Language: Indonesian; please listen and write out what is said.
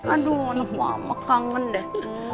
aduh anak mama kangen deh